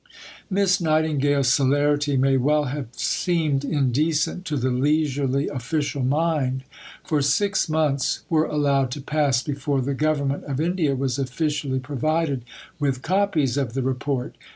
Miss Nightingale's celerity may well have seemed indecent to the leisurely official mind; for six months were allowed to pass before the Government of India was officially provided with copies of the Report!